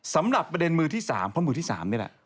สำหรับประเด็นมือที่๓เพราะมือที่๓นี่แหละ